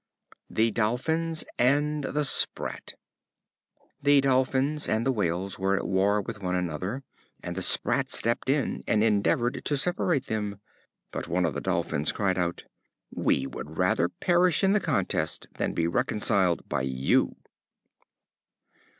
The Dolphins and the Sprat. The Dolphins and the Whales were at war with one another, and the Sprat stepped in and endeavored to separate them. But one of the Dolphins cried out: "We would rather perish in the contest, than be reconciled by you."